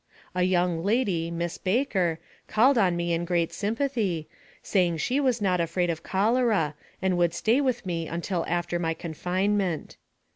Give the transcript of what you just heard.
A young lady, Miss Baker, called on me in great sympathy, saying she was not afraid of cholera, and would stay with me until after my confinement.